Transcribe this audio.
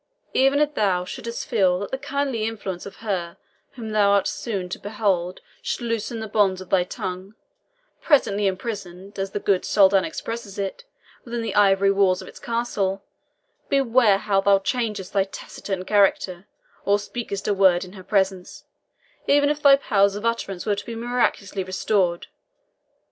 Even if thou shouldst feel that the kindly influence of her whom thou art soon to behold should loosen the bonds of thy tongue, presently imprisoned, as the good Soldan expresses it, within the ivory walls of its castle, beware how thou changest thy taciturn character, or speakest a word in her presence, even if thy powers of utterance were to be miraculously restored.